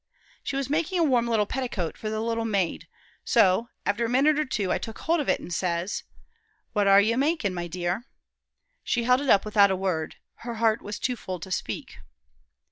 She was making a warm little petticoat for the little maid; so, after a minute or two, I took hold of it, an' says, 'What are 'ee making, my dear?' She held it up without a word; her heart was too full to speak.